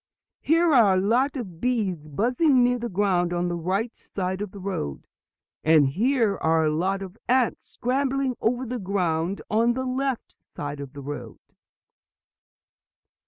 "Here are a lot of bees buzzing near the ground on the right side of the road. And here are a lot of ants scrambling over the ground on the left side of the road."